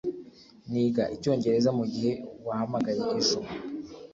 niga icyongereza mugihe wahamagaye ejo